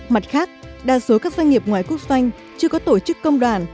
mặt khác đa số các doanh nghiệp ngoài quốc doanh chưa có tổ chức công đoàn